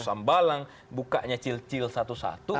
sambalang bukanya cil cil satu satu